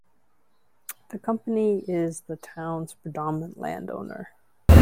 The company is the town's predominant landowner.